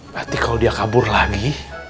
nanti kalau dia kabur lagi